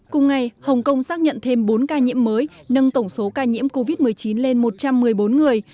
cùng ngày hồng kông xác nhận thêm bốn ca nhiễm mới nâng tổng số ca nhiễm covid một mươi chín lên một trăm một mươi bốn người